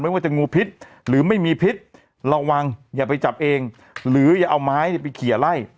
ว่าจะงูพิษหรือไม่มีพิษระวังอย่าไปจับเองหรืออย่าเอาไม้ไปเขียไล่